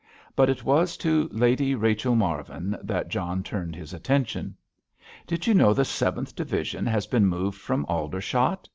But it was to Lady Rachel Marvin that John turned his attention. "Did you know the Seventh Division has been moved from Aldershot?"